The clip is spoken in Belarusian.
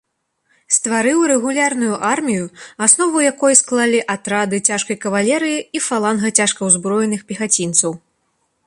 Стварыў рэгулярную армію, аснову якой склалі атрады цяжкай кавалерыі і фаланга цяжкаўзброеных пехацінцаў.